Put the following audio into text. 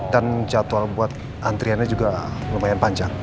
dan jadwal buat antriannya juga lumayan panjang